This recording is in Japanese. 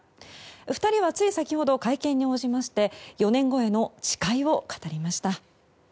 ２人は、つい先ほど会見に応じまして４年後への誓いを語りました。